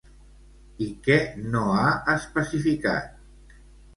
I què no ha especificat?